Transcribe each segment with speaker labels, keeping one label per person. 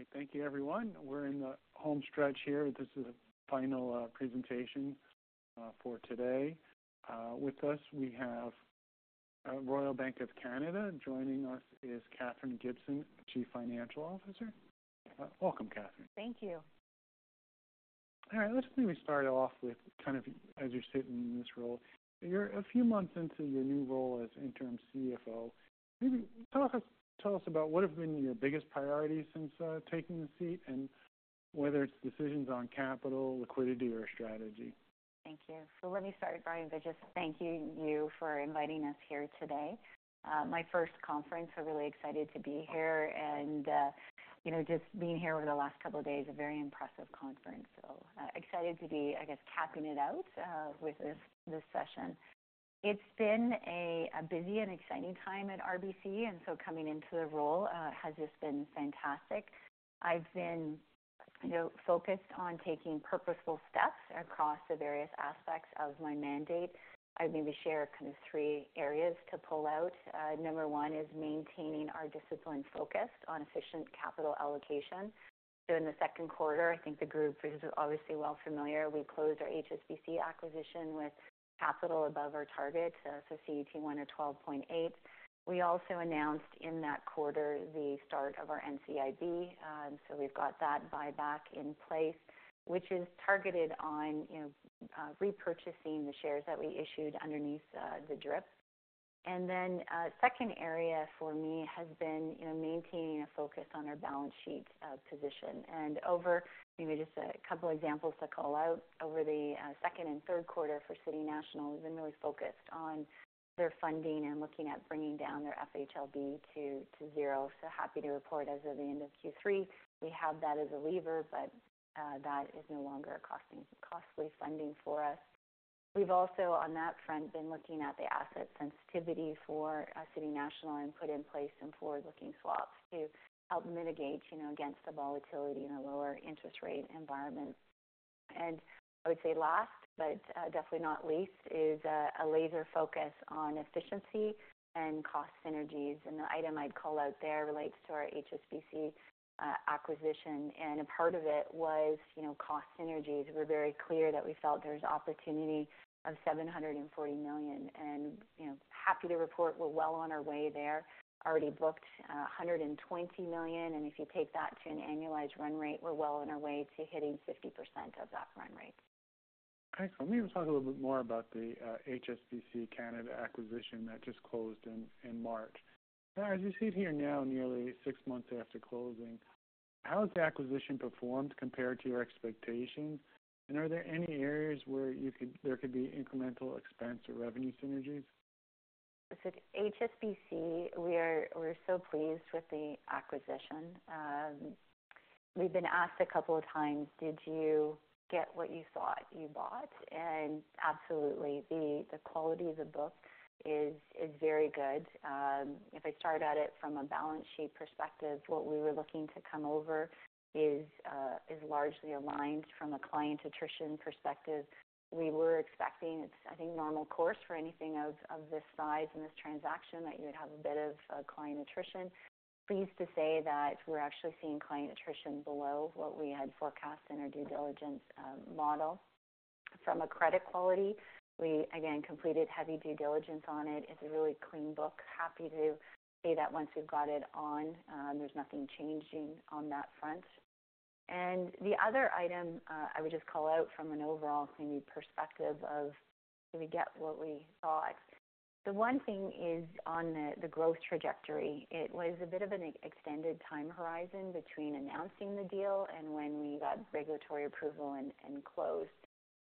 Speaker 1: Okay, thank you, everyone. We're in the home stretch here. This is the final presentation for today. With us, we have Royal Bank of Canada. Joining us is Katherine Gibson, Chief Financial Officer. Welcome, Katherine.
Speaker 2: Thank you.
Speaker 1: All right, let me start off with kind of as you're sitting in this role. You're a few months into your new role as interim CFO. Maybe tell us, tell us about what have been your biggest priorities since taking the seat, and whether it's decisions on capital, liquidity, or strategy.
Speaker 2: Thank you. So let me start, Brian, by just thanking you for inviting us here today. My first conference, so really excited to be here, and, you know, just being here over the last couple of days, a very impressive conference. So, excited to be, I guess, capping it out with this session. It's been a busy and exciting time at RBC, and so coming into the role has just been fantastic. I've been, you know, focused on taking purposeful steps across the various aspects of my mandate. I'd maybe share kind of three areas to pull out. Number one is maintaining our discipline focus on efficient capital allocation. So in the second quarter, I think the group is obviously well familiar, we closed our HSBC acquisition with capital above our target, so CET1 or 12.8. We also announced in that quarter the start of our NCIB, and so we've got that buyback in place, which is targeted on, you know, repurchasing the shares that we issued underneath the DRIP. And then, second area for me has been, you know, maintaining a focus on our balance sheet position. And over maybe just a couple examples to call out, over the second and third quarter for City National, we've been really focused on their funding and looking at bringing down their FHLB to zero. So happy to report as of the end of Q3, we have that as a lever, but that is no longer a costly funding for us. We've also, on that front, been looking at the asset sensitivity for City National and put in place some forward-looking swaps to help mitigate, you know, against the volatility in a lower interest rate environment. And I would say last, but definitely not least, is a laser focus on efficiency and cost synergies, and the item I'd call out there relates to our HSBC acquisition. And a part of it was, you know, cost synergies. We're very clear that we felt there was opportunity of 740 million, and, you know, happy to report we're well on our way there. Already booked 120 million, and if you take that to an annualized run rate, we're well on our way to hitting 50% of that run rate.
Speaker 1: Okay, so let me just talk a little bit more about the HSBC Canada acquisition that just closed in March. As you sit here now, nearly six months after closing, how has the acquisition performed compared to your expectations? And are there any areas where there could be incremental expense or revenue synergies?
Speaker 2: HSBC, we're so pleased with the acquisition. We've been asked a couple of times: "Did you get what you thought you bought?" Absolutely. The quality of the book is very good. If I start at it from a balance sheet perspective, what we were looking to come over is largely aligned from a client attrition perspective. We were expecting. It's, I think, normal course for anything of this size in this transaction, that you would have a bit of client attrition. Pleased to say that we're actually seeing client attrition below what we had forecast in our due diligence model. From a credit quality, we again completed heavy due diligence on it. It's a really clean book. Happy to say that once we've got it on, there's nothing changing on that front. And the other item, I would just call out from an overall maybe perspective of did we get what we thought? The one thing is on the growth trajectory. It was a bit of an extended time horizon between announcing the deal and when we got regulatory approval and closed.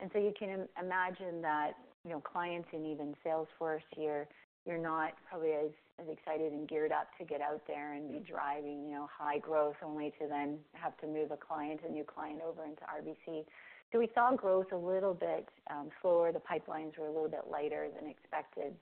Speaker 2: And so you can imagine that, you know, clients and even sales force here, you're not probably as excited and geared up to get out there and be driving, you know, high growth, only to then have to move a client, a new client over into RBC. So we saw growth a little bit slower. The pipelines were a little bit lighter than expected.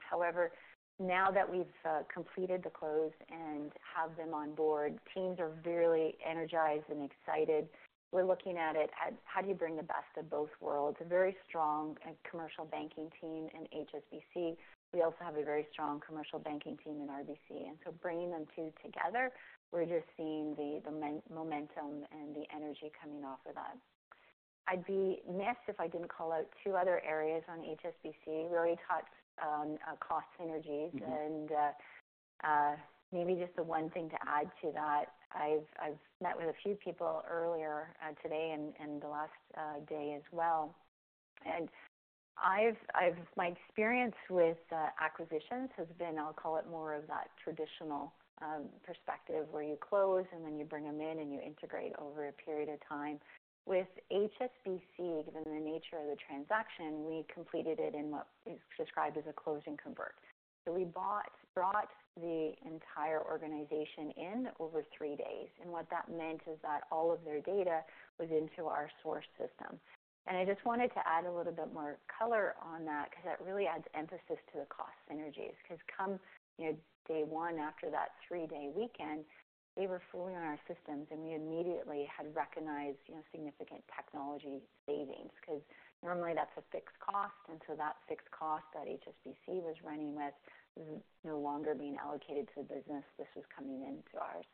Speaker 2: However, now that we've completed the close and have them on board, teams are really energized and excited. We're looking at it as: How do you bring the best of both worlds? A very strong commercial banking team in HSBC. We also have a very strong commercial banking team in RBC, and so bringing them two together, we're just seeing the momentum and the energy coming off of that. I'd be remiss if I didn't call out two other areas on HSBC. We already touched on cost synergies-
Speaker 1: Mm-hmm. And maybe just the one thing to add to that. I've met with a few people earlier today and the last day as well, and I've, my experience with acquisitions has been, I'll call it more of that traditional perspective, where you close and then you bring them in and you integrate over a period of time. With HSBC, given the nature of the transaction, we completed it in what is described as a close and convert. So we brought the entire organization in over three days, and what that meant is that all of their data was into our core system. And I just wanted to add a little bit more color on that, 'cause that really adds emphasis to the cost synergies. 'Cause, you know, day one, after that three-day weekend, they were fully on our systems, and immediately had recognized, you know, significant technology savings, 'cause normally that's a fixed cost, and so that fixed cost that HSBC was running with was no longer being allocated to the business. This was coming into ours.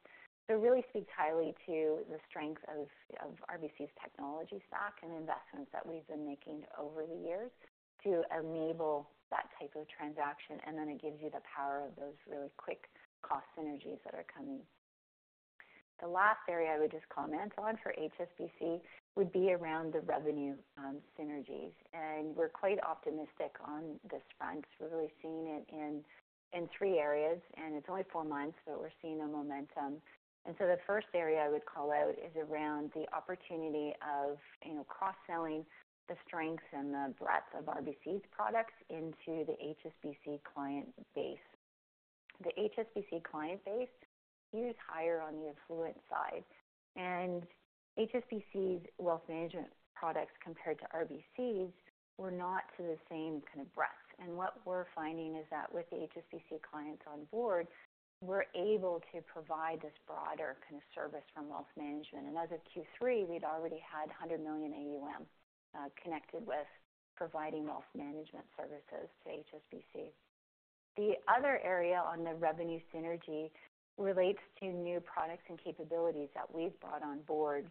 Speaker 1: So it really speaks highly to the strength of RBC's technology stack and investments that we've been making over the years to enable that type of transaction, and then it gives you the power of those really quick cost synergies that are coming. The last area I would just comment on for HSBC would be around the revenue synergies, and we're quite optimistic on this front 'cause we're really seeing it in three areas, and it's only four months, but we're seeing the momentum. And so the first area I would call out is around the opportunity of, you know, cross-selling the strengths and the breadth of RBC's products into the HSBC client base. The HSBC client base skews higher on the affluent side, and HSBC's wealth management products, compared to RBC's, were not to the same kind of breadth. And what we're finding is that with the HSBC clients on board, we're able to provide this broader kind of service from wealth management. And as of Q3, we'd already had one hundred million AUM connected with providing wealth management services to HSBC. The other area on the revenue synergy relates to new products and capabilities that we've brought on board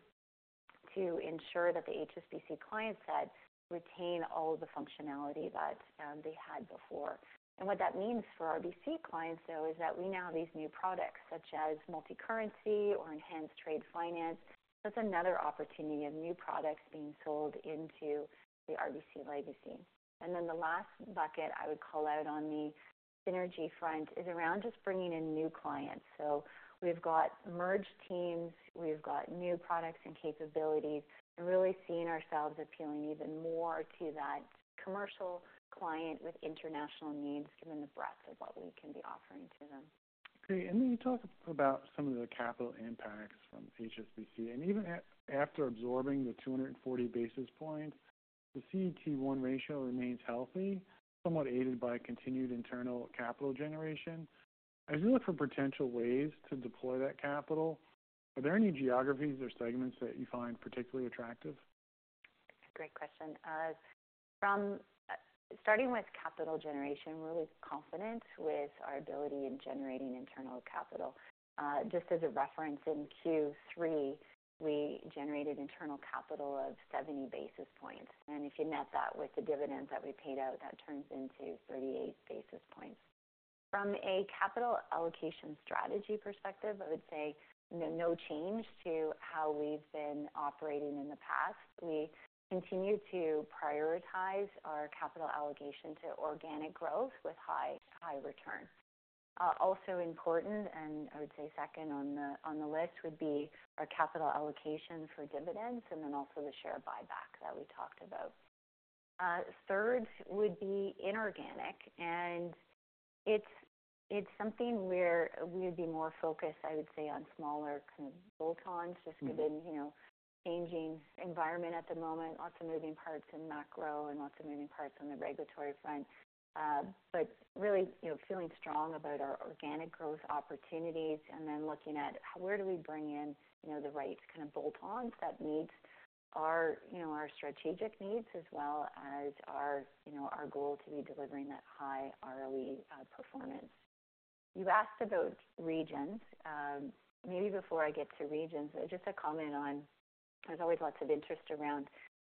Speaker 1: to ensure that the HSBC client set retain all of the functionality that they had before. And what that means for RBC clients, though, is that we now have these new products, such as multicurrency or enhanced trade finance. That's another opportunity of new products being sold into the RBC legacy. And then the last bucket I would call out on the synergy front is around just bringing in new clients. So we've got merged teams, we've got new products and capabilities, and really seeing ourselves appealing even more to that commercial client with international needs, given the breadth of what we can be offering to them. Okay, and then you talked about some of the capital impacts from HSBC, and even after absorbing the 240 basis points, the CET1 ratio remains healthy, somewhat aided by continued internal capital generation. As you look for potential ways to deploy that capital, are there any geographies or segments that you find particularly attractive?
Speaker 2: Great question. From starting with capital generation, we're really confident with our ability in generating internal capital. Just as a reference, in Q3, we generated internal capital of seventy basis points, and if you net that with the dividends that we paid out, that turns into thirty-eight basis points. From a capital allocation strategy perspective, I would say, you know, no change to how we've been operating in the past. We continue to prioritize our capital allocation to organic growth with high, high return. Also important, and I would say second on the, on the list, would be our capital allocation for dividends and then also the share buyback that we talked about. Third would be inorganic, and it's, it's something where we would be more focused, I would say, on smaller kind of bolt-ons-
Speaker 1: Mm-hmm.
Speaker 2: Just given, you know, changing environment at the moment, lots of moving parts in macro and lots of moving parts on the regulatory front. But really, you know, feeling strong about our organic growth opportunities, and then looking at where do we bring in, you know, the right kind of bolt-ons that meet our, you know, our strategic needs, as well as our, you know, our goal to be delivering that high ROE performance. You asked about regions. Maybe before I get to regions, just a comment on... There's always lots of interest around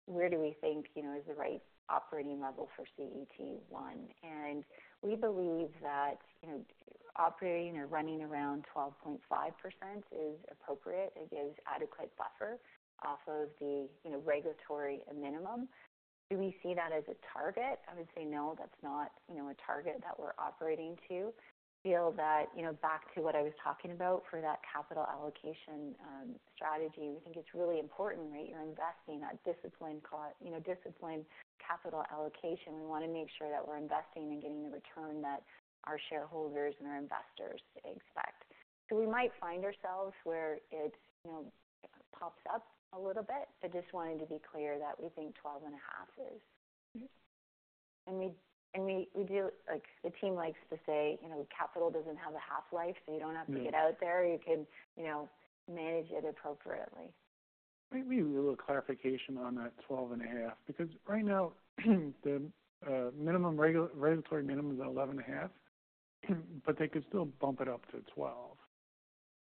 Speaker 2: where do we think, you know, is the right operating level for CET1? And we believe that, you know, operating or running around 12.5% is appropriate. It gives adequate buffer off of the, you know, regulatory minimum. Do we see that as a target? I would say, no, that's not, you know, a target that we're operating to. I feel that, you know, back to what I was talking about for that capital allocation strategy, we think it's really important, right? You're investing at disciplined, you know, disciplined capital allocation. We wanna make sure that we're investing and getting the return that our shareholders and our investors expect. So we might find ourselves where it, you know, pops up a little bit, but just wanted to be clear that we think twelve and a half is mm-hmm. And we do. Like, the team likes to say, "You know, capital doesn't have a half-life, so you don't have to get out there. You can, you know, manage it appropriately.
Speaker 1: Maybe a little clarification on that 12 and a half, because right now, the minimum regulatory minimum is at 11 and a half, but they could still bump it up to 12.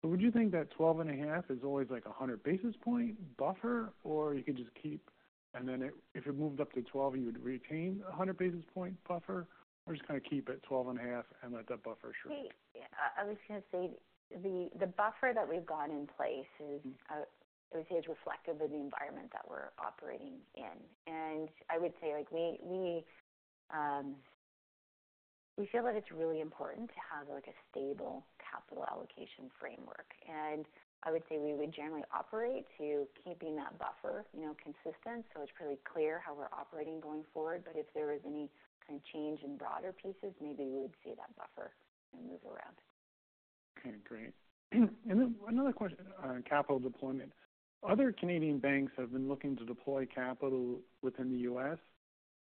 Speaker 1: So would you think that 12 and a half is always, like, a 100 basis point buffer, or you could just keep... And then if it moved up to 12, you would retain a 100 basis point buffer, or just kind of keep it 12 and a half and let that buffer shrink?
Speaker 2: Hey, I was gonna say, the buffer that we've got in place is, I would say, is reflective of the environment that we're operating in. I would say, like, we, we feel that it's really important to have, like, a stable capital allocation framework. I would say we would generally operate to keeping that buffer, you know, consistent, so it's pretty clear how we're operating going forward. But if there was any kind of change in broader pieces, maybe we would see that buffer kind of move around.
Speaker 1: Okay, great. And then another question on capital deployment. Other Canadian banks have been looking to deploy capital within the U.S.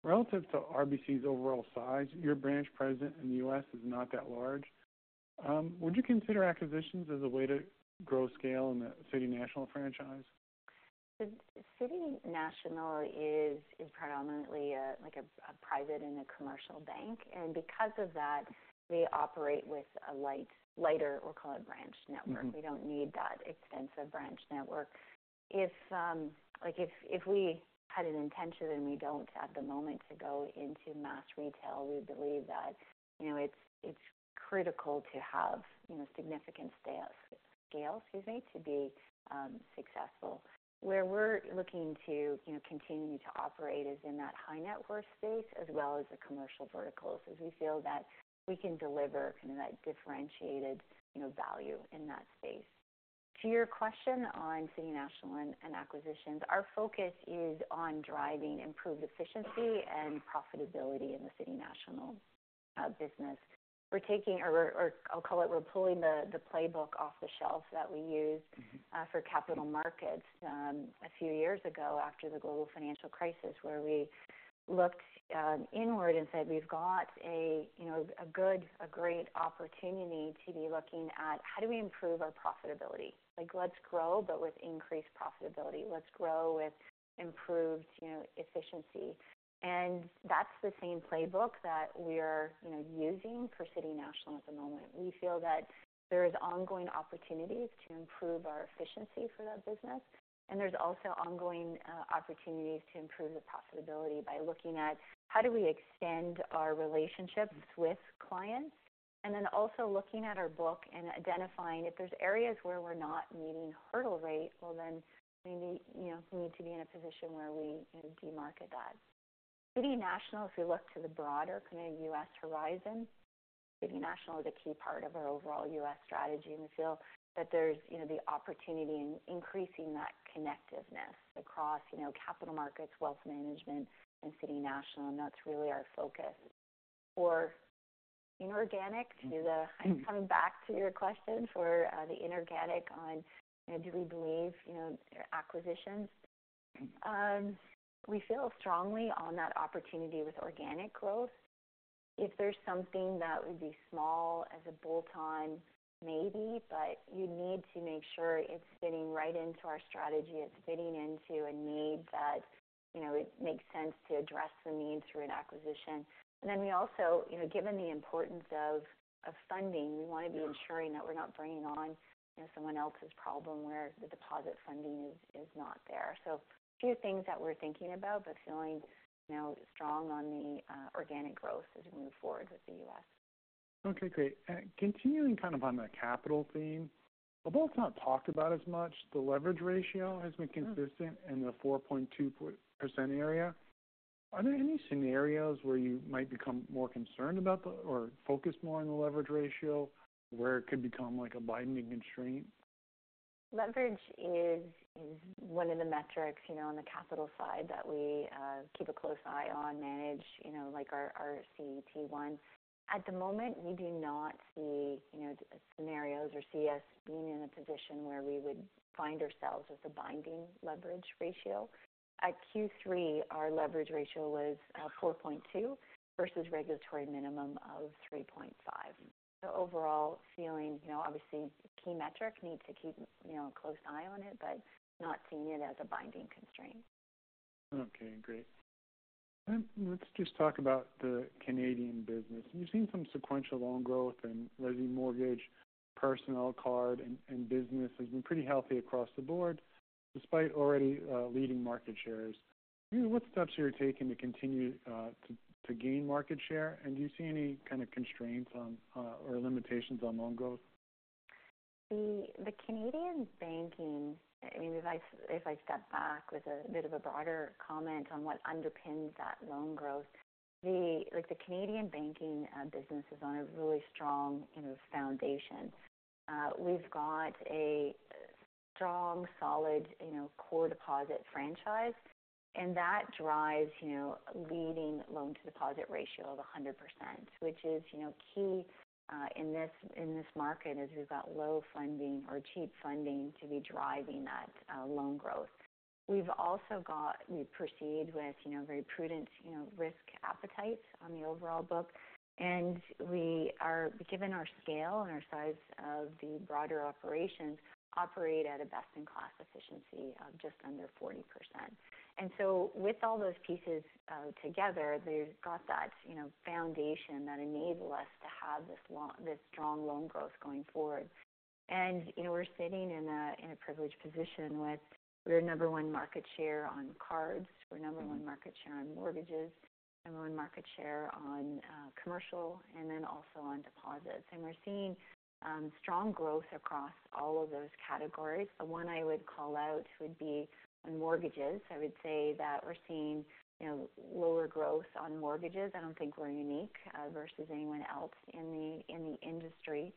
Speaker 1: Relative to RBC's overall size, your branch presence in the U.S. is not that large. Would you consider acquisitions as a way to grow scale in the City National franchise?
Speaker 2: City National is predominantly a, like a private and a commercial bank, and because of that, we operate with a lighter, we'll call it, branch network. We don't need that extensive branch network. If, like, if we had an intention, and we don't at the moment, to go into mass retail, we believe that, you know, it's critical to have, you know, significant scale, excuse me, to be successful. Where we're looking to, you know, continue to operate is in that high net worth space, as well as the commercial verticals, as we feel that we can deliver kind of that differentiated, you know, value in that space. To your question on City National and acquisitions, our focus is on driving improved efficiency and profitability in the City National business. We're taking, or I'll call it, we're pulling the playbook off the shelf that we used for Capital Markets, a few years ago, after the global financial crisis, where we looked, inward and said: We've got a, you know, a good, a great opportunity to be looking at how do we improve our profitability? Like, let's grow, but with increased profitability. Let's grow with improved, you know, efficiency. And that's the same playbook that we are, you know, using for City National at the moment. We feel that there is ongoing opportunities to improve our efficiency for that business, and there's also ongoing, opportunities to improve the profitability by looking at how do we extend our relationships with clients? And then also looking at our book and identifying if there's areas where we're not meeting hurdle rate, well, then we need, you know, we need to be in a position where we, you know, demarket that at City National, if you look to the broader kind of U.S. horizon, City National is a key part of our overall U.S. strategy, and we feel that there's, you know, the opportunity in increasing that connectiveness across, you know, capital markets, wealth management, and City National, and that's really our focus. For inorganic, to the coming back to your question, for the inorganic on, you know, do we believe, you know, acquisitions? We feel strongly on that opportunity with organic growth. If there's something that would be small as a bolt-on, maybe, but you'd need to make sure it's fitting right into our strategy, it's fitting into a need that, you know, it makes sense to address the need through an acquisition, and then we also, you know, given the importance of funding, we want to be ensuring that we're not bringing on, you know, someone else's problem, where the deposit funding is not there, so a few things that we're thinking about, but feeling, you know, strong on the organic growth as we move forward with the U.S.
Speaker 1: Okay, great. Continuing kind of on the capital theme, although it's not talked about as much, the leverage ratio has been consistent in the 4.2% area. Are there any scenarios where you might become more concerned about the, or focused more on the leverage ratio, where it could become, like, a binding constraint?
Speaker 2: Leverage is one of the metrics, you know, on the capital side that we keep a close eye on, manage, you know, like our CET1. At the moment, we do not see, you know, scenarios or see us being in a position where we would find ourselves with a binding leverage ratio. At Q3, our leverage ratio was 4.2 versus regulatory minimum of 3.5. So overall, feeling, you know, obviously, key metric, need to keep, you know, a close eye on it, but not seeing it as a binding constraint.
Speaker 1: Okay, great. Let's just talk about the Canadian business. We've seen some sequential loan growth in resi mortgage, personal, card, and business has been pretty healthy across the board, despite already leading market shares. What steps are you taking to continue to gain market share, and do you see any kind of constraints on or limitations on loan growth?
Speaker 2: The Canadian banking, I mean, if I step back with a bit of a broader comment on what underpins that loan growth, like, the Canadian banking business is on a really strong, you know, foundation. We've got a strong, solid, you know, core deposit franchise, and that drives, you know, leading loan-to-deposit ratio of 100%, which is, you know, key in this market, as we've got low funding or cheap funding to be driving that loan growth. We've also got, we proceed with, you know, very prudent, you know, risk appetite on the overall book, and we are, given our scale and our size of the broader operations, operate at a best-in-class efficiency of just under 40%. And so with all those pieces together, we've got that, you know, foundation that enable us to have this strong loan growth going forward, and you know, we're sitting in a privileged position, with we're number one market share on cards. We're number one market share on mortgages, number one market share on commercial, and then also on deposits. And we're seeing strong growth across all of those categories. The one I would call out would be in mortgages. I would say that we're seeing, you know, lower growth on mortgages. I don't think we're unique versus anyone else in the industry.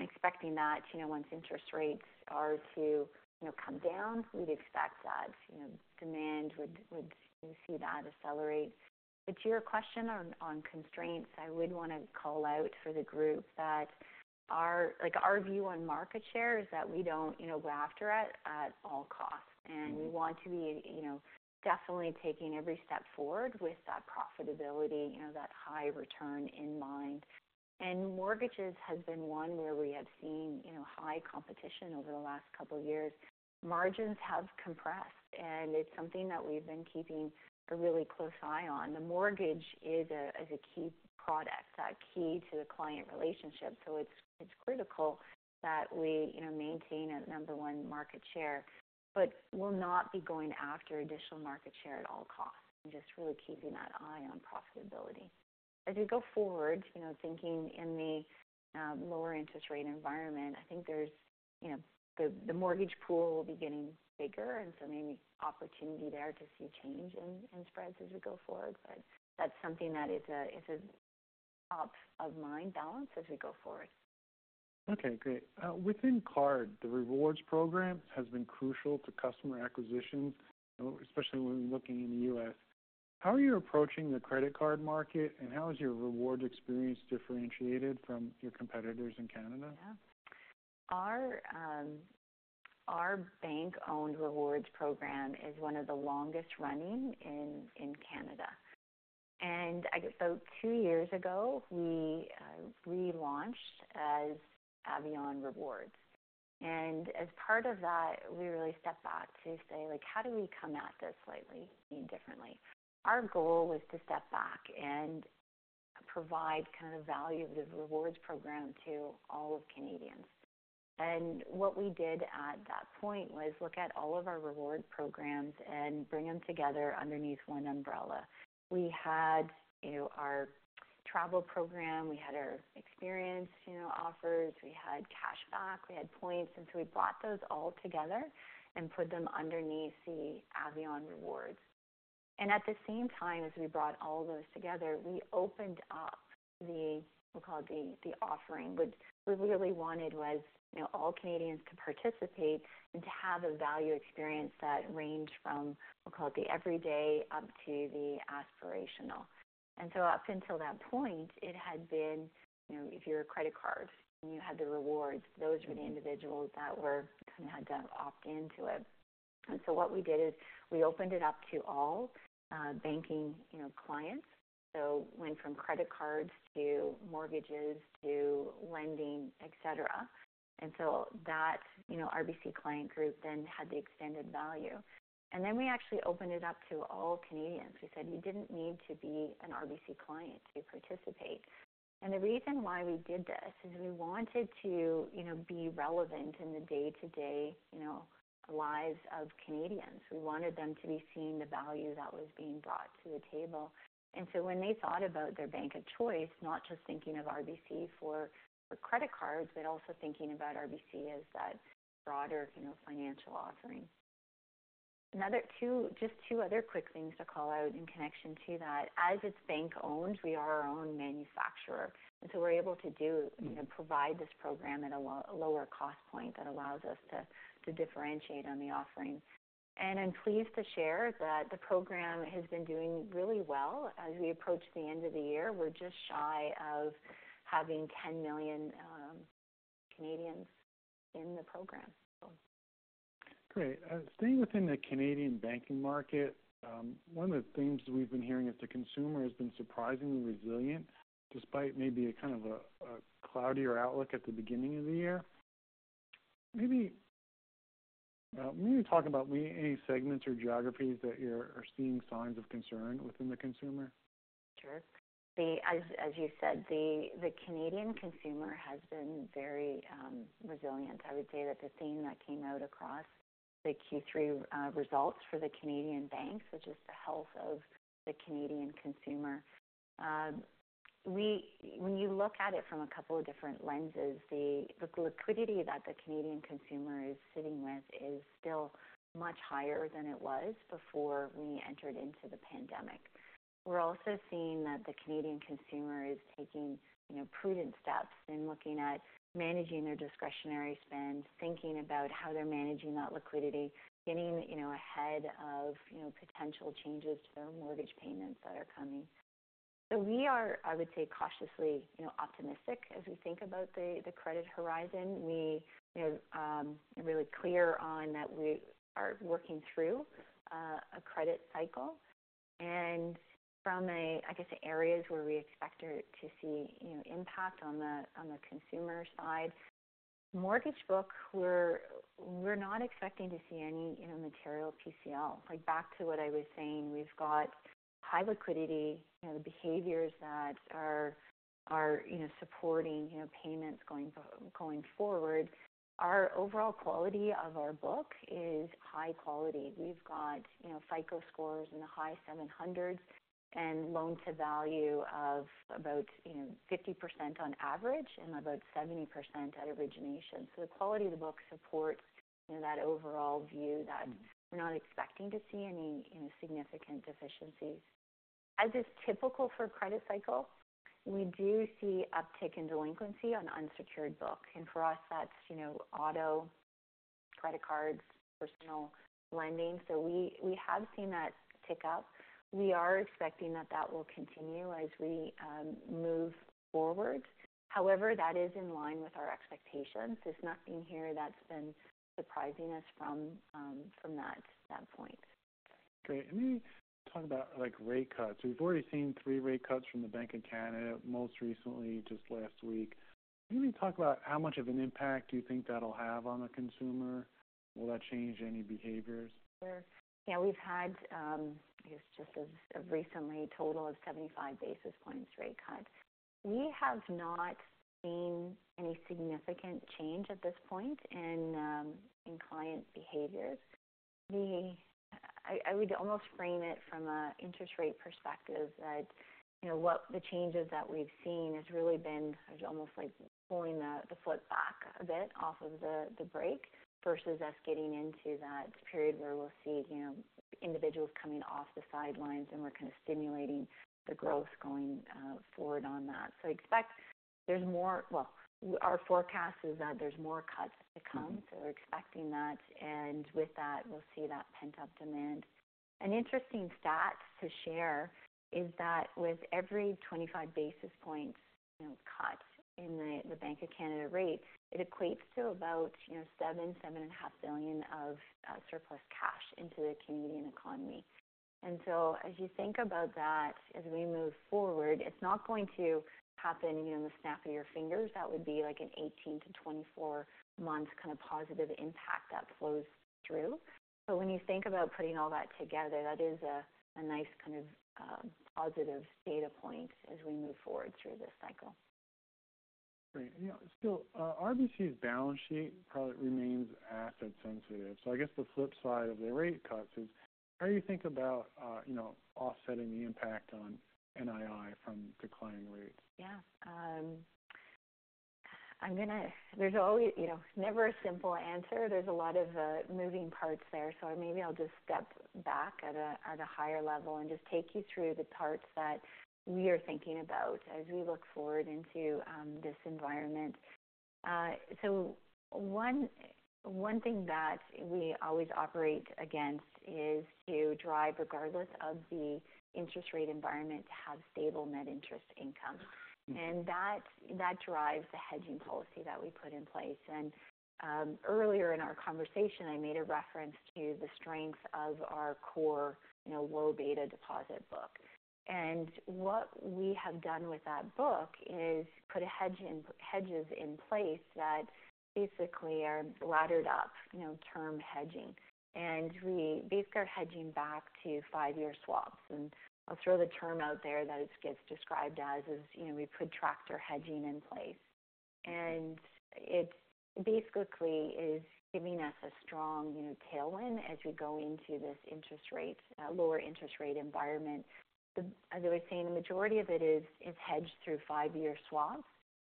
Speaker 2: Expecting that, you know, once interest rates are to, you know, come down, we'd expect that, you know, demand would see that accelerate. But to your question on constraints, I would want to call out for the group that our, like, our view on market share is that we don't, you know, go after it at all costs. We want to be, you know, definitely taking every step forward with that profitability, you know, that high return in mind. Mortgages has been one where we have seen, you know, high competition over the last couple of years. Margins have compressed, and it's something that we've been keeping a really close eye on. The mortgage is a key product key to the client relationship, so it's critical that we, you know, maintain a number one market share. But we'll not be going after additional market share at all costs and just really keeping that eye on profitability. As we go forward, you know, thinking in the lower interest rate environment, I think there's, you know, the mortgage pool will be getting bigger, and so maybe opportunity there to see change in spreads as we go forward. But that's something that is a top-of-mind balance as we go forward.
Speaker 1: Okay, great. Within card, the rewards program has been crucial to customer acquisitions, especially when looking in the U.S. How are you approaching the credit card market, and how is your rewards experience differentiated from your competitors in Canada?
Speaker 2: Yeah. Our bank-owned rewards program is one of the longest running in Canada. I guess so two years ago, we relaunched as Avion Rewards. As part of that, we really stepped back to say, like, "How do we come at this slightly differently?" Our goal was to step back and provide kind of value of the rewards program to all of Canadians. What we did at that point was look at all of our reward programs and bring them together underneath one umbrella. We had, you know, our travel program, we had our experience, you know, offers, we had cashback, we had points, and so we brought those all together and put them underneath the Avion Rewards. At the same time as we brought all those together, we opened up the, we call it the offering. What we really wanted was, you know, all Canadians to participate and to have a value experience that ranged from, we call it the everyday up to the aspirational. And so up until that point, it had been, you know, if you're a credit card and you had the rewards, those were the individuals that were kind of had to opt into it. And so what we did is we opened it up to all, banking, you know, clients, so went from credit cards to mortgages to lending, et cetera. And so that, you know, RBC client group then had the extended value. And then we actually opened it up to all Canadians. We said, "You didn't need to be an RBC client to participate." And the reason why we did this is we wanted to, you know, be relevant in the day-to-day, you know, lives of Canadians. We wanted them to be seeing the value that was being brought to the table. And so when they thought about their bank of choice, not just thinking of RBC for credit cards, but also thinking about RBC as that broader, you know, financial offering. Just two other quick things to call out in connection to that. As it's bank-owned, we are our own manufacturer, and so we're able to do, you know, provide this program at a lower cost point that allows us to differentiate on the offerings. And I'm pleased to share that the program has been doing really well. As we approach the end of the year, we're just shy of having 10 million Canadians in the program, so.
Speaker 1: Great. Staying within the Canadian banking market, one of the themes we've been hearing is the consumer has been surprisingly resilient, despite maybe a kind of a cloudier outlook at the beginning of the year. Maybe, maybe talk about any segments or geographies that you are seeing signs of concern within the consumer?
Speaker 2: Sure. As, as you said, the Canadian consumer has been very resilient. I would say that the theme that came out across the Q3 results for the Canadian banks, which is the health of the Canadian consumer, when you look at it from a couple of different lenses, the liquidity that the Canadian consumer is sitting with is still much higher than it was before we entered into the pandemic. We're also seeing that the Canadian consumer is taking, you know, prudent steps in looking at managing their discretionary spend, thinking about how they're managing that liquidity, getting, you know, ahead of, you know, potential changes to their mortgage payments that are coming. So we are, I would say, cautiously, you know, optimistic as we think about the credit horizon. We are really clear on that we are working through a credit cycle. And from a, I guess, the areas where we expect to see, you know, impact on the, on the consumer side, mortgage book, we're not expecting to see any, you know, material PCL. Like, back to what I was saying, we've got high liquidity, you know, the behaviors that are, you know, supporting, you know, payments going forward. Our overall quality of our book is high quality. We've got, you know, FICO scores in the high seven hundreds and loan to value of about, you know, 50% on average and about 70% at origination. So the quality of the book supports, you know, that overall view that we're not expecting to see any insignificant deficiencies. As is typical for a credit cycle, we do see uptick in delinquency on unsecured book, and for us, that's, you know, credit cards, personal lending. So we have seen that tick up. We are expecting that that will continue as we move forward. However, that is in line with our expectations. There's nothing here that's been surprising us from that point.
Speaker 1: Great. Let me talk about, like, rate cuts. We've already seen three rate cuts from the Bank of Canada, most recently just last week. Can you talk about how much of an impact do you think that'll have on the consumer? Will that change any behaviors?
Speaker 2: Yeah, we've had, I guess just as of recently, a total of 75 basis points rate cut. We have not seen any significant change at this point in client behaviors. I would almost frame it from a interest rate perspective that, you know, what the changes that we've seen has really been almost like pulling the foot back a bit off of the brake, versus us getting into that period where we'll see, you know, individuals coming off the sidelines and we're kind of stimulating the growth going forward on that. So expect there's more, well, our forecast is that there's more cuts to come, so we're expecting that, and with that, we'll see that pent-up demand. An interesting stat to share is that with every 25 basis points, you know, cut in the Bank of Canada rate, it equates to about, you know, 7-7.5 billion of surplus cash into the Canadian economy. And so as you think about that, as we move forward, it's not going to happen, you know, in the snap of your fingers. That would be like an 18-24 months kind of positive impact that flows through. But when you think about putting all that together, that is a nice kind of positive data point as we move forward through this cycle.
Speaker 1: Great. You know, still, RBC's balance sheet probably remains asset sensitive. So I guess the flip side of the rate cuts is, how do you think about, you know, offsetting the impact on NII from declining rates?
Speaker 2: Yeah. There's always, you know, never a simple answer. There's a lot of moving parts there, so maybe I'll just step back at a higher level and just take you through the parts that we are thinking about as we look forward into this environment. So one thing that we always operate against is to drive, regardless of the interest rate environment, to have stable net interest income, and that drives the hedging policy that we put in place. And earlier in our conversation, I made a reference to the strength of our core, you know, low beta deposit book. And what we have done with that book is put hedges in place that basically are laddered up, you know, term hedging. And we basically are hedging back to five-year swaps. I'll throw the term out there that it gets described as, you know, we put tractor hedging in place. And it basically is giving us a strong, you know, tailwind as we go into this interest rate, lower interest rate environment. As I was saying, the majority of it is hedged through five-year swaps,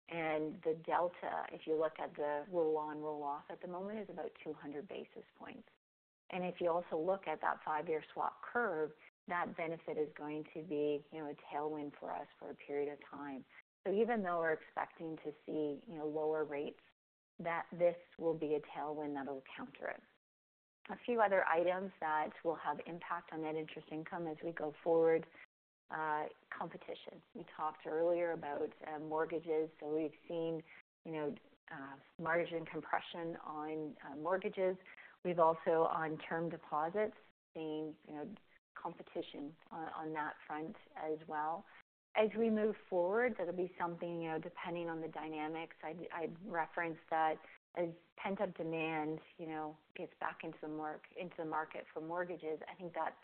Speaker 2: and the delta, if you look at the roll-on, roll-off at the moment, is about 200 basis points. And if you also look at that five-year swap curve, that benefit is going to be, you know, a tailwind for us for a period of time. So even though we're expecting to see, you know, lower rates, that this will be a tailwind that will counter it. A few other items that will have impact on Net Interest Income as we go forward, competition. We talked earlier about mortgages, so we've seen, you know, margin compression on mortgages. We've also, on term deposits, seen, you know, competition on that front as well. As we move forward, that'll be something, you know, depending on the dynamics, I'd reference that as pent-up demand, you know, gets back into the market for mortgages, I think that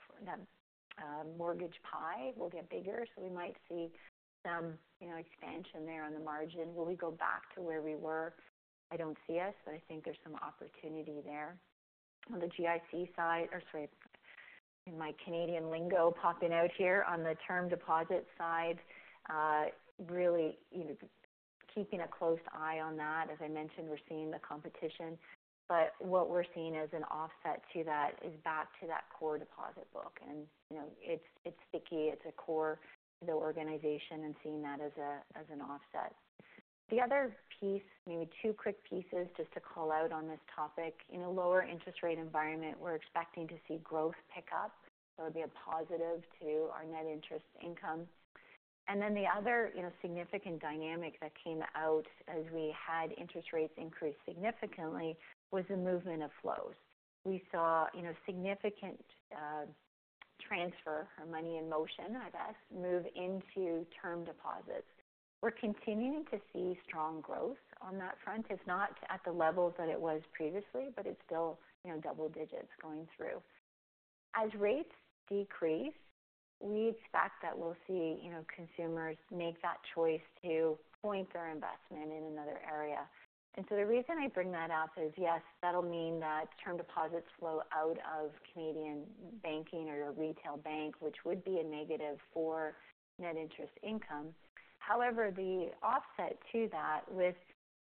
Speaker 2: mortgage pie will get bigger, so we might see some, you know, expansion there on the margin. Will we go back to where we were? I don't see us, but I think there's some opportunity there. On the GIC side, or sorry, my Canadian lingo popping out here, on the term deposit side, really, you know, keeping a close eye on that. As I mentioned, we're seeing the competition, but what we're seeing as an offset to that is back to that core deposit book. And, you know, it's, it's sticky, it's a core to the organization and seeing that as a, as an offset. The other piece, maybe two quick pieces, just to call out on this topic. In a lower interest rate environment, we're expecting to see growth pick up, so it'll be a positive to our net interest income. And then the other, you know, significant dynamic that came out as we had interest rates increase significantly was the movement of flows. We saw, you know, significant transfer or money in motion, I guess, move into term deposits. We're continuing to see strong growth on that front. It's not at the levels that it was previously, but it's still, you know, double digits going through. As rates decrease, we expect that we'll see, you know, consumers make that choice to point their investment in another area. And so the reason I bring that out is, yes, that'll mean that term deposits flow out of Canadian banking or retail bank, which would be a negative for net interest income. However, the offset to that,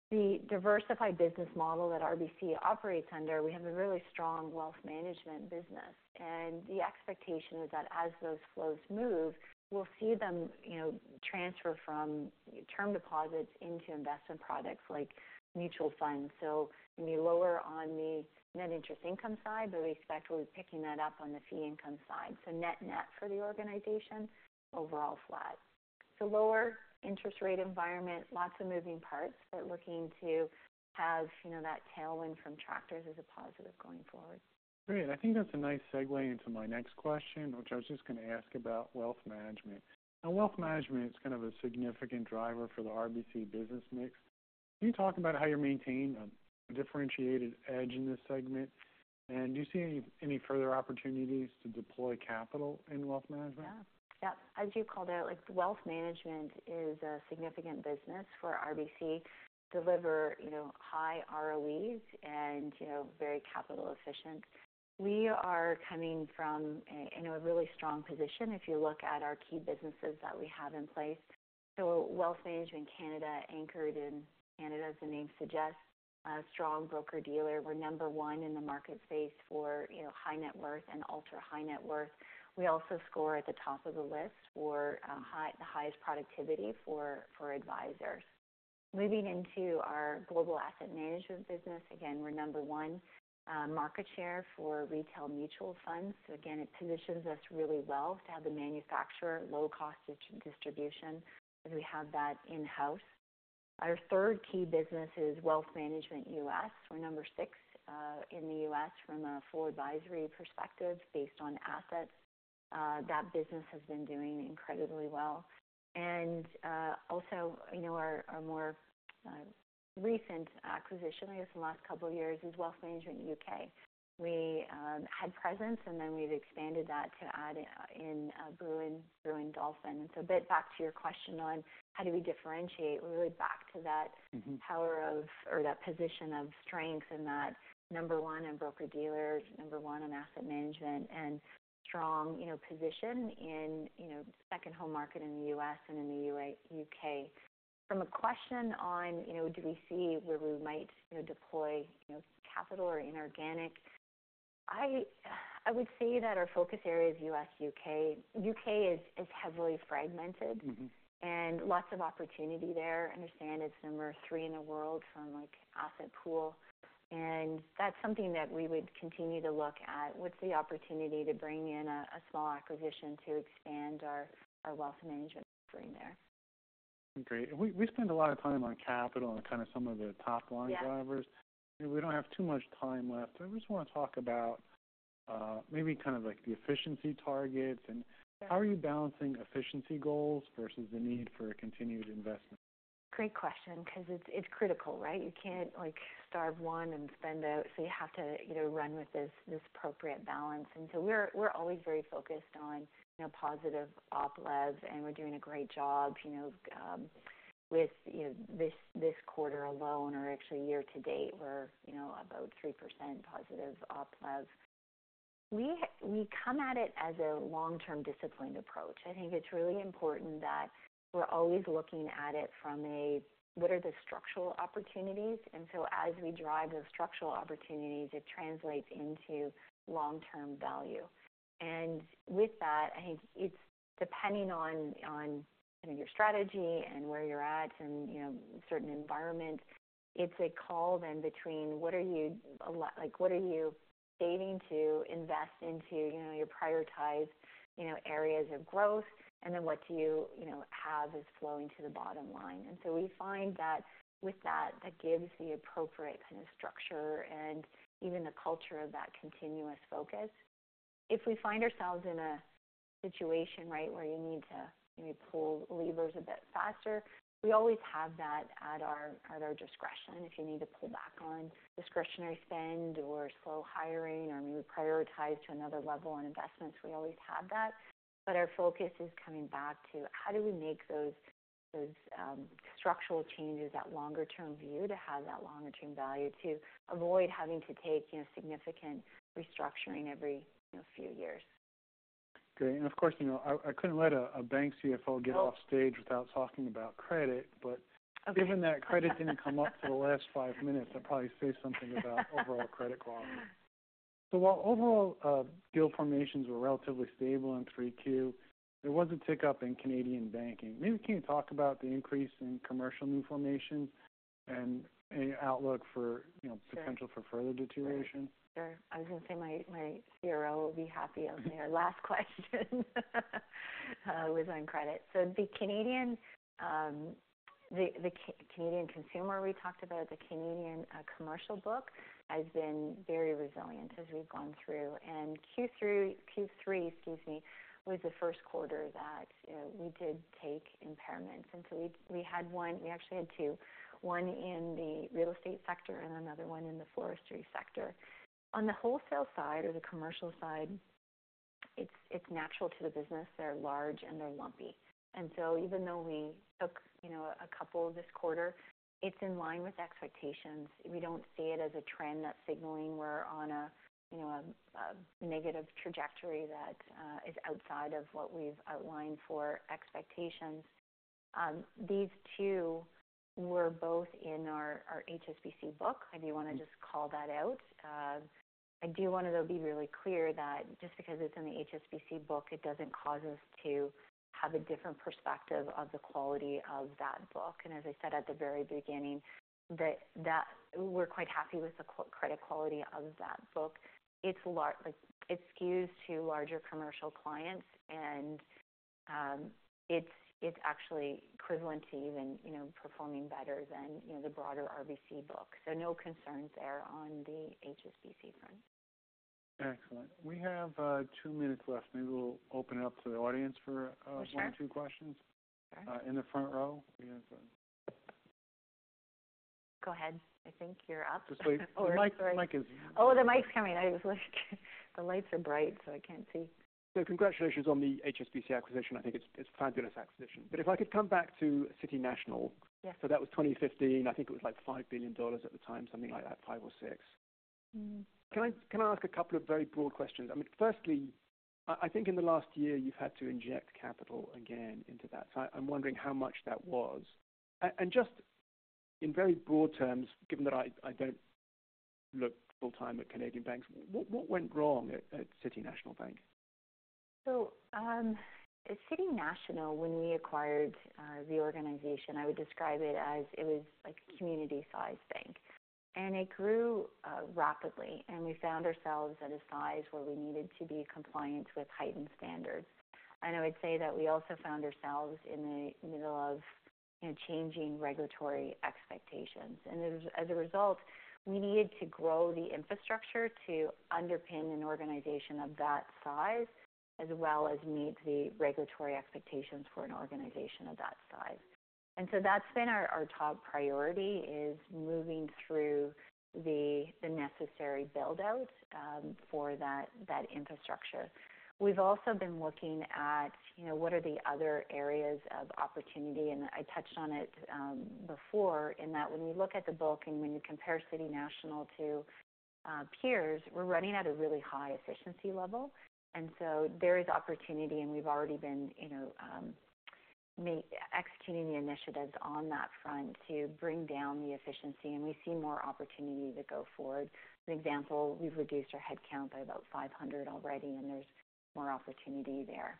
Speaker 2: the diversified business model that RBC operates under, we have a really strong wealth management business, and the expectation is that as those flows move, we'll see them, you know, transfer from term deposits into investment products like mutual funds. So we may be lower on the net interest income side, but we expect we'll be picking that up on the fee income side. So net-net for the organization, overall flat. Lower interest rate environment, lots of moving parts, but looking to have, you know, that tailwind from tractor hedging as a positive going forward.
Speaker 1: Great. I think that's a nice segue into my next question, which I was just going to ask about wealth management. Now, wealth management is kind of a significant driver for the RBC business mix. Can you talk about how you maintain a differentiated edge in this segment? And do you see any further opportunities to deploy capital in wealth management?
Speaker 2: Yeah. Yep. As you called out, like, wealth management is a significant business for RBC, deliver, you know, high ROEs and, you know, very capital efficient. We are coming from a really strong position if you look at our key businesses that we have in place. So Wealth Management Canada, anchored in Canada, as the name suggests, a strong broker-dealer. We're number one in the market space for, you know, high net worth and ultra-high net worth. We also score at the top of the list for the highest productivity for advisors. Moving into our global asset management business, again, we're number one market share for retail mutual funds. So again, it positions us really well to have the manufacturer, low cost of distribution, as we have that in-house. Our third key business is Wealth Management US. We're number six in the U.S. from a full advisory perspective, based on assets. That business has been doing incredibly well. And, you know, our more recent acquisition, I guess, in the last couple of years, is Wealth Management U.K. We had presence, and then we've expanded that to add in Brewin Dolphin. So a bit back to your question on how do we differentiate, we're really back to that power of, or that position of strength and that number one in broker-dealers, number one in asset management, and strong, you know, position in, you know, second home market in the U.S. and in the U.K. From a question on, you know, do we see where we might, you know, deploy, you know, capital or inorganic, I, I would say that our focus area is U.S., U.K. U.K. is heavily fragmented and lots of opportunity there. Understand it's number three in the world from, like, asset pool, and that's something that we would continue to look at. What's the opportunity to bring in a small acquisition to expand our wealth management offering there?
Speaker 1: Great. And we spent a lot of time on capital and kind of some of the top-line-
Speaker 2: Yeah
Speaker 1: -drivers. We don't have too much time left. I just want to talk about, maybe kind of like the efficiency targets. How are you balancing efficiency goals versus the need for a continued investment?
Speaker 2: Great question, because it's critical, right? You can't, like, starve one and spend out, so you have to, you know, run with this appropriate balance. And so we're always very focused on, you know, positive op levs, and we're doing a great job, you know, with, you know, this quarter alone, or actually year to date, we're, you know, about 3% positive op lev. We come at it as a long-term, disciplined approach. I think it's really important that we're always looking at it from a "what are the structural opportunities?" And so as we drive those structural opportunities, it translates into long-term value. And with that, I think it's depending on, you know, your strategy and where you're at and, you know, certain environments, it's a call then between what are you aiming to invest into, you know, your prioritized, you know, areas of growth, and then what do you, you know, have as flowing to the bottom line? And so we find that with that, that gives the appropriate kind of structure and even the culture of that continuous focus. If we find ourselves in a situation, right, where you need to maybe pull levers a bit faster, we always have that at our discretion. If you need to pull back on discretionary spend or slow hiring, or maybe prioritize to another level on investments, we always have that. But our focus is coming back to how do we make those structural changes, that longer-term view, to have that longer-term value, to avoid having to take, you know, significant restructuring every, you know, few years.
Speaker 1: Great. And of course, you know, I couldn't let a bank CFO get off stage without talking about credit. But-
Speaker 2: Okay.
Speaker 1: Given that credit didn't come up for the last five minutes, I'll probably say something about overall credit quality. So while overall, deal formations were relatively stable in 3Q, there was a tick-up in Canadian banking. Maybe can you talk about the increase in commercial new formations and any outlook for, you know-
Speaker 2: Sure
Speaker 1: potential for further deterioration?
Speaker 2: Sure. I was going to say, my CRO will be happy on your last question, was on credit. So the Canadian consumer, we talked about, the Canadian commercial book has been very resilient as we've gone through. And Q3, excuse me, was the first quarter that we did take impairments. And so we had one. We actually had two, one in the real estate sector and another one in the forestry sector. On the wholesale side, or the commercial side, it's natural to the business. They're large, and they're lumpy. And so even though we took, you know, a couple this quarter, it's in line with expectations. We don't see it as a trend that's signaling we're on a, you know, a negative trajectory that is outside of what we've outlined for expectations. These two were both in our HSBC book. I do want to just call that out. I do want to though be really clear that just because it's in the HSBC book, it doesn't cause us to have a different perspective of the quality of that book. As I said at the very beginning, that we're quite happy with the credit quality of that book. It's like, it skews to larger commercial clients, and it's actually equivalent to even, you know, performing better than, you know, the broader RBC book. So no concerns there on the HSBC front.
Speaker 1: Excellent. We have two minutes left. Maybe we'll open it up to the audience for-
Speaker 2: Sure
Speaker 1: - one or two questions.
Speaker 2: Sure.
Speaker 1: In the front row, we have
Speaker 2: Go ahead. I think you're up.
Speaker 1: Just wait. The mic is-
Speaker 2: Oh, the mic's coming. I was like, the lights are bright, so I can't see. So congratulations on the HSBC acquisition. I think it's, it's a fabulous acquisition. But if I could come back to City National. Yes. That was 2015. I think it was, like, 5 billion dollars at the time, something like that, five or six. Mm-hmm. Can I ask a couple of very broad questions? I mean, firstly, I think in the last year, you've had to inject capital again into that. So I'm wondering how much that was. And just in very broad terms, given that I don't look full time at Canadian banks, what went wrong at City National Bank? So, at City National, when we acquired the organization, I would describe it as it was like a community-sized bank, and it grew rapidly. And we found ourselves at a size where we needed to be compliant with heightened standards. And I would say that we also found ourselves in the middle of, you know, changing regulatory expectations. And as a result, we needed to grow the infrastructure to underpin an organization of that size, as well as meet the regulatory expectations for an organization of that size. And so that's been our top priority, is moving through the necessary build-out for that infrastructure. We've also been looking at, you know, what are the other areas of opportunity? And I touched on it before, in that when we look at the book and when you compare City National to peers, we're running at a really high efficiency level. And so there is opportunity, and we've already been, you know, executing the initiatives on that front to bring down the efficiency, and we see more opportunity to go forward. An example, we've reduced our headcount by about 500 already, and there's more opportunity there.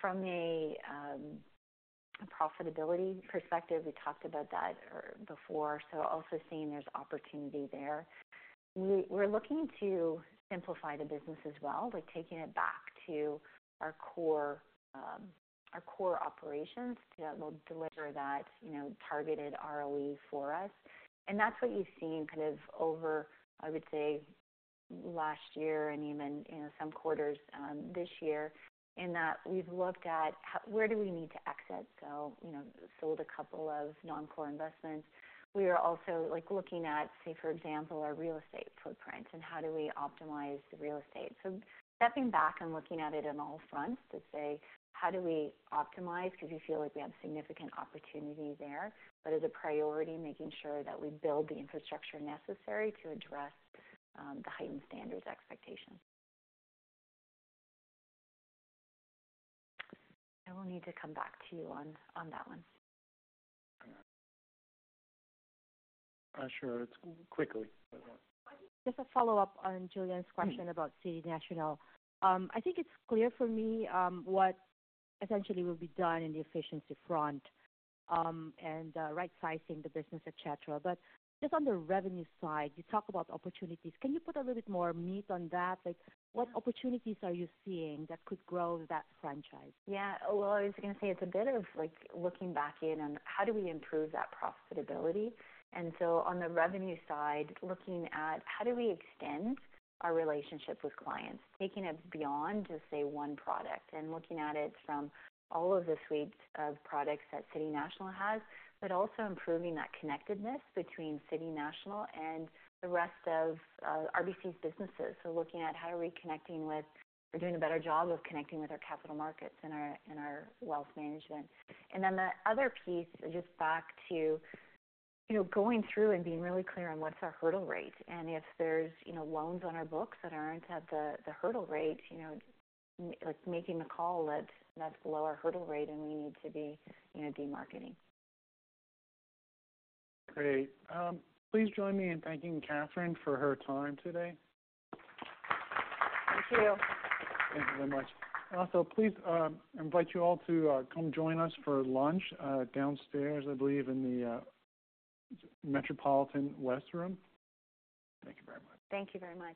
Speaker 2: From a profitability perspective, we talked about that before, so also seeing there's opportunity there. We're looking to simplify the business as well by taking it back to our core, our core operations that will deliver that, you know, targeted ROE for us. And that's what you've seen kind of over, I would say, last year and even, you know, some quarters this year, in that we've looked at where do we need to exit. So, you know, sold a couple of non-core investments. We are also, like, looking at, say, for example, our real estate footprint, and how do we optimize the real estate. So stepping back and looking at it on all fronts to say: How do we optimize? 'Cause we feel like we have significant opportunity there, but as a priority, making sure that we build the infrastructure necessary to address the heightened standards expectations. I will need to come back to you on that one.
Speaker 1: Sure, quickly. Just a follow-up on Julian's question about City National. I think it's clear for me what essentially will be done in the efficiency front and right-sizing the business, et cetera. But just on the revenue side, you talk about opportunities. Can you put a little bit more meat on that? Like what opportunities are you seeing that could grow that franchise?
Speaker 2: Yeah, well, I was going to say it's a bit of, like, looking back in on how do we improve that profitability, and so on the revenue side, looking at how do we extend our relationship with clients, taking it beyond just, say, one product, and looking at it from all of the suites of products that City National has, but also improving that connectedness between City National and the rest of RBC's businesses, so looking at how are we connecting with, or doing a better job of connecting with our capital markets and our wealth management, and then the other piece is just back to, you know, going through and being really clear on what's our hurdle rate. If there's, you know, loans on our books that aren't at the hurdle rate, you know, like making the call that that's below our hurdle rate, and we need to be, you know, demarketing.
Speaker 1: Great. Please join me in thanking Katherine for her time today. Thank you very much. Also, please, I invite you all to come join us for lunch, downstairs, I believe, in the Metropolitan West room. Thank you very much.
Speaker 2: Thank you very much.